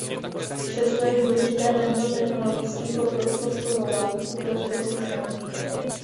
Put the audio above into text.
Přesto je důležité tento technologický pokrok podporovat ku prospěchu všech.